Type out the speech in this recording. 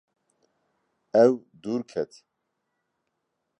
Ew dûr ket.